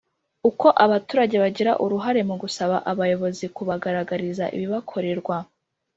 Uko abaturage bagira uruhare mu gusaba abayobozi kubagaragariza ibibakorerwa